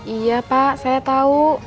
iya pak saya tahu